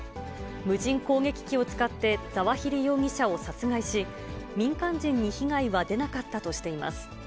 無人攻撃機を使ってザワヒリ容疑者を殺害し、民間人に被害は出なかったとしています。